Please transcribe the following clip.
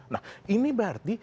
nah ini berarti